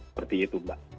seperti itu mbak